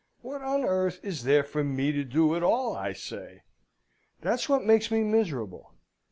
What on earth is there for me to do at all, I say? That's what makes me miserable.